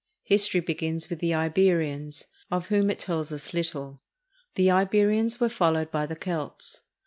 History begins with the Iberians, of whom it tells us Httle. The Iberians were followed by the Celts.